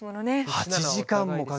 ８時間もかけて。